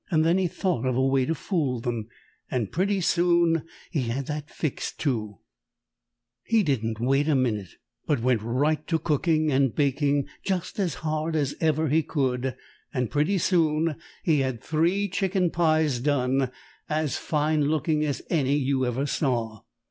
Then he thought of a way to fool them, and pretty soon he had that fixed, too. [Illustration: WENT RIGHT TO COOKING AND BAKING.] He didn't wait a minute, but went right to cooking and baking just as hard as ever he could, and pretty soon he had three chicken pies done, as fine looking as any you ever saw.